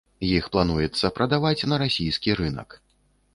Іх плануецца прадаваць на расійскі рынак.